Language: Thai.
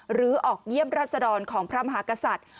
หรือออกเยี่ยมราชดรของพระมหากษัตริย์